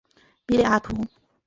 比里阿图。